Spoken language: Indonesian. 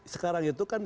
sekarang itu kan